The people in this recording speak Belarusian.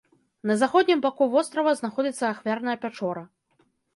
На заходнім баку вострава знаходзіцца ахвярная пячора.